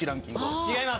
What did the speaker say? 違います。